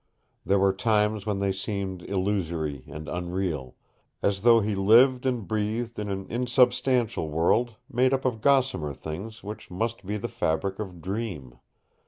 There were times when they seemed illusory and unreal, as though he lived and breathed in an insubstantial world made up of gossamer things which must be the fabric of dream.